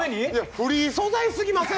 フリー素材すぎません？